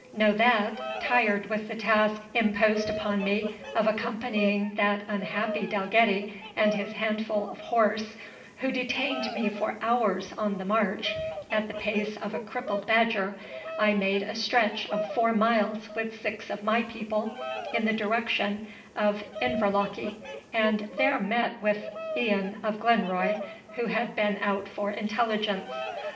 Know that, tired with the task imposed upon me of accompanying that unhappy Dalgetty and his handful of horse, who detained me for hours on the march at the pace of a crippled badger, I made a stretch of four miles with six of my people in the direction of Inverlochy, and there met with Ian of Glenroy, who had been out for intelligence.